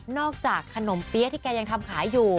จากขนมเปี๊ยะที่แกยังทำขายอยู่